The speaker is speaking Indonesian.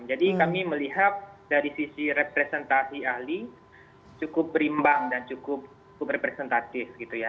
jadi kami melihat dari sisi representasi ahli cukup berimbang dan cukup berpresentatif